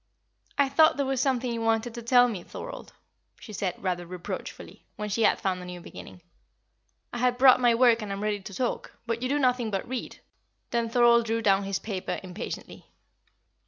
"I thought there was something you wanted to tell me, Thorold," she said, rather reproachfully, when she had found a new beginning. "I have brought my work and am ready to talk, but you do nothing but read." Then Thorold threw down his paper impatiently.